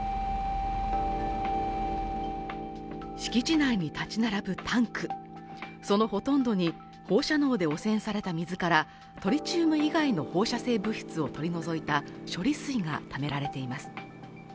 敷地内に立ち並ぶタンクそのほとんどに放射能で汚染された水からトリチウム以外の放射性物質を取り除いた処理水がためられています。